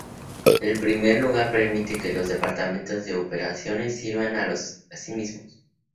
En primer lugar, permite que los departamentos de operaciones sirvan a sí mismos.